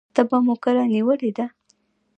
تبه مو کله نیولې ده؟